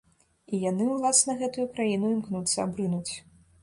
І яны ўласна гэтую краіну імкнуцца абрынуць.